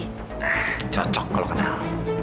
ah cocok kalau kenal